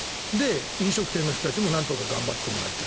飲食店の人たちもなんとか頑張ってもらいたい。